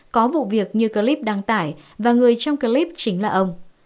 có vụ việc như clip đăng tải và người trong clip chính là ông